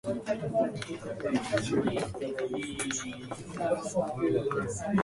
He is placed in a submersible pod and both are shrunk to microscopic size.